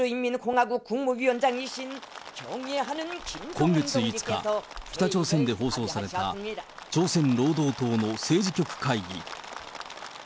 今月５日、北朝鮮で放送された、朝鮮労働党の政治局会議。